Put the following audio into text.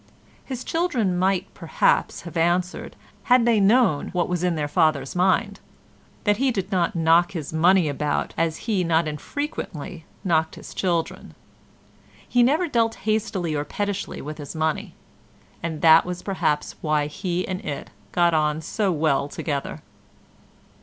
His children might, perhaps, have answered, had they known what was in their father's mind, that he did not knock his money about as he not infrequently knocked his children. He never dealt hastily or pettishly with his money, and that was perhaps why he and it got on so well together.